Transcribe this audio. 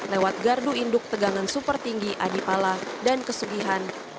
lewat gardu induk tegangan super tinggi adipala dan kesugihan